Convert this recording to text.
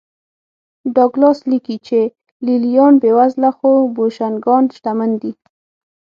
ډاګلاس لیکي چې لې لیان بېوزله خو بوشونګان شتمن دي